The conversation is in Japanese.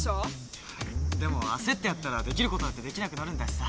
いやでも焦ってやったらできることだってできなくなるんだしさ。